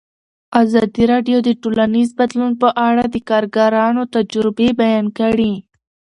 ازادي راډیو د ټولنیز بدلون په اړه د کارګرانو تجربې بیان کړي.